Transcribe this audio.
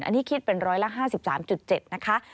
อันนี้คิดเป็น๑๕๓๗นะคะ